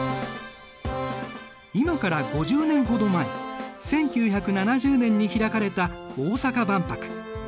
今から５０年ほど前１９７０年に開かれた大阪万博。